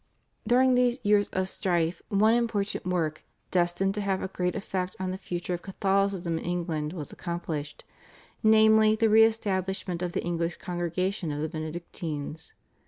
During these years of strife one important work, destined to have a great effect on the future of Catholicism in England, was accomplished, namely the re establishment of the English congregation of the Benedictines.